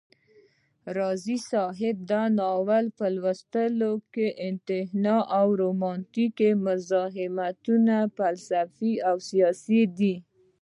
راز صاحب دا ناول په لوستلو کي انتهائى رومانتيک، مزاحمتى، فلسفى او سياسى دى